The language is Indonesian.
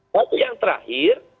lalu yang terakhir